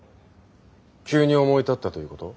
急に思い立ったということ？